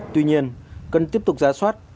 tuy nhiên cần tiếp tục ra soát